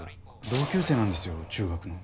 同級生なんですよ中学の。